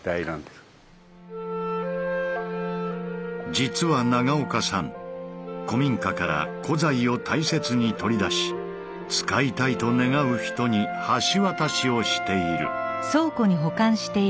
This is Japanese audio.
実は長岡さん古民家から古材を大切に取り出し使いたいと願う人に橋渡しをしている。